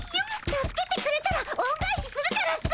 助けてくれたらおんがえしするからさ。